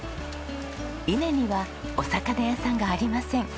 伊根にはお魚屋さんがありません。